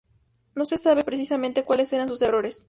No se sabe precisamente cuáles eran sus errores.